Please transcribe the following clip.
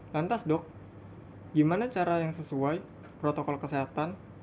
lantas dok gimana cara yang sesuai protokol kesehatan